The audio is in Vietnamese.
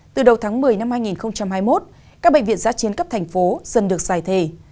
từ đầu tháng một mươi năm hai nghìn hai mươi một các bệnh viện giá chiến cấp thành phố dần được xài thề